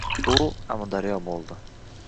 Bu — Amudaryo bo‘ldi.